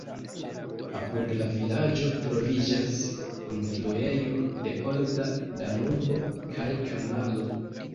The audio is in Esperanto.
Apud la vilaĝo troviĝas kunfluejo de olda Danubo kaj kanalo.